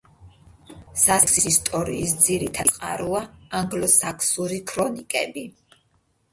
სასექსის ისტორიის ძირითადი წყაროა ანგლოსაქსური ქრონიკები.